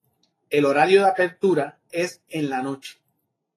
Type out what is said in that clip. El horario de apertura es en la noche.